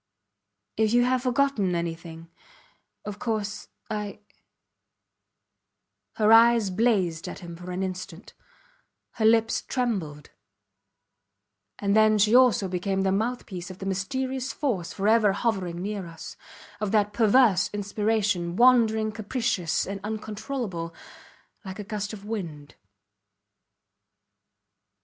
If you have forgotten anything ... of course ... I ... Her eyes blazed at him for an instant; her lips trembled and then she also became the mouth piece of the mysterious force forever hovering near us; of that perverse inspiration, wandering capricious and uncontrollable, like a gust of wind.